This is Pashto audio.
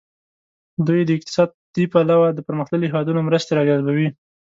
دوی د اقتصادي پلوه د پرمختللو هیوادونو مرستې را جذبوي.